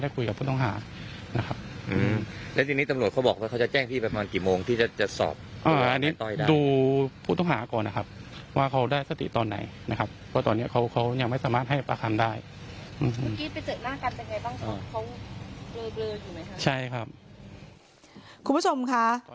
คุณผู้ชมค่ะ